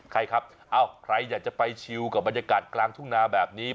ใครครับใครอยากจะไปชิลกับบรรยากาศกลางทุ่งนาแบบนี้